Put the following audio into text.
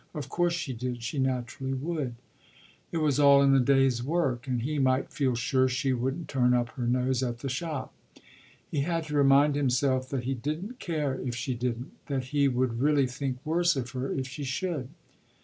Of course she did she naturally would; it was all in the day's work and he might feel sure she wouldn't turn up her nose at the shop. He had to remind himself that he didn't care if she didn't, that he would really think worse of her if she should.